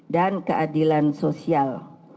dan keadilan sosial